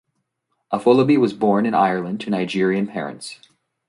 Afolabi was born in Ireland to Nigerian parents.